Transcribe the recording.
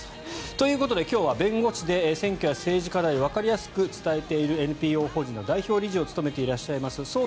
ということで今日は弁護士で選挙や政治課題をわかりやすく伝えているＮＰＯ法人の代表理事を務めていらっしゃいますソォ・